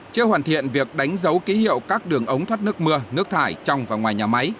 chưa hoàn thiện việc đánh dấu ký hiệu các đường ống thoát nước mưa nước thải trong và ngoài nhà máy